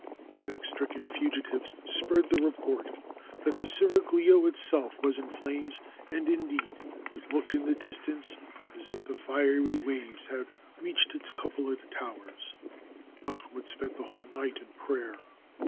Panic stricken fugitives spread the report that the seraglio itself was in flames, and, indeed, it looked in the distance as if the fiery waves had reached its cupolaed towers. Mahmoud spent the whole night in prayer.